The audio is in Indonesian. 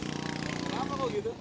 kenapa kok gitu